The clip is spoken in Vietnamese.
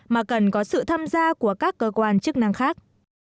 mà cần có sự tham gia của các cơ quan chức năng khác